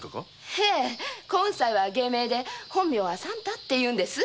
小雲斉は芸名で本名は三太っていうんです。